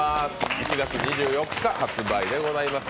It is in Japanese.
１月２４日発売でございます。